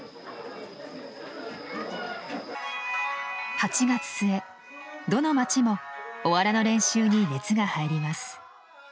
８月末どの町もおわらの練習に熱が入ります。